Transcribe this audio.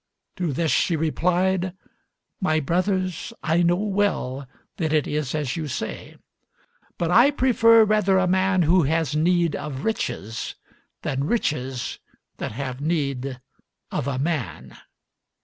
To this she replied, "My brothers, I know well that it is as you say; but I prefer rather a man who has need of riches, than riches that have need of a man."